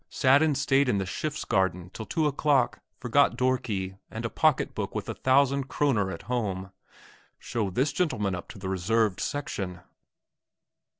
Sat in state in the Stiftsgaarden till two o'clock; forgot door key and a pocket book with a thousand kroner at home. Show this gentleman up to the reserved section!"...